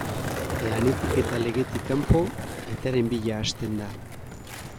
Lanetik eta legetik kanpo, aitaren bila hasten da.